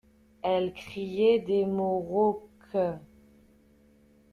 Elle criait des mots rauques.